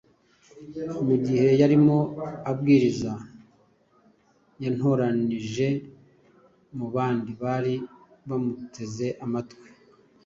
Mu gihe yarimo abwiriza, yantoranyije mu bandi bari bamuteze amatwi,